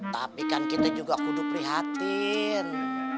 tapi kan kita juga kudu prihatin